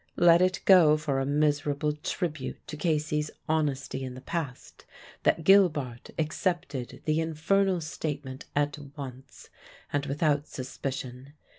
Let it go for a miserable tribute to Casey's honesty in the past that Gilbart accepted the infernal statement at once and without suspicion.